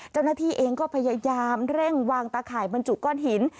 เจ้าหน้าที่เองก็พยายามเร่งวางตาข่ายบรรจุก้อนหิน